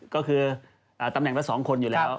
ก็คือตำแหน่งละ๒คนอยู่แล้ว